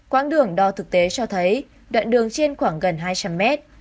quãng đường đo thực tế cho thấy đoạn đường trên khoảng gần hai trăm linh mét